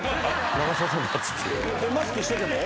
マスクしてても？